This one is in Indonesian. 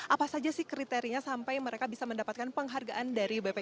apa saja sih kriterinya sampai mereka bisa mendapatkan penghargaan dari bpk